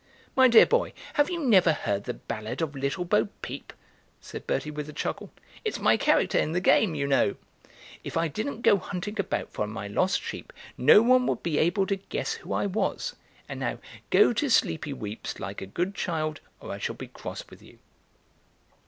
"My dear boy, have you never heard the ballad of Little Bo Peep?" said Bertie with a chuckle. "It's my character in the Game, you know. If I didn't go hunting about for my lost sheep no one would be able to guess who I was; and now go to sleepy weeps like a good child or I shall be cross with you."